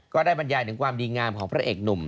บรรยายถึงความดีงามของพระเอกหนุ่ม